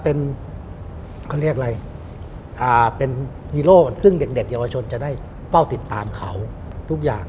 เป็นฮีโร่ซึ่งเด็กเยาวชนจะได้เป้าติดตามเขาทุกอย่าง